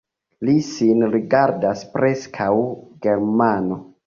Li sin rigardas preskaŭ Germano.